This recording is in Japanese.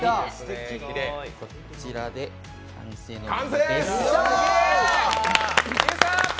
こちらで完成です。